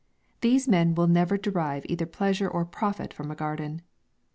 These men will never derive either pleasure or profit from a garden.